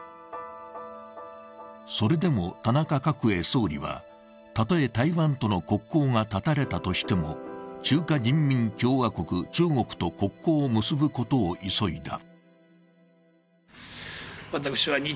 それでも田中角栄総理はたとえ台湾との国交が断たれたとしても中華人民共和国＝中国と国交を結ぶことを急いだ。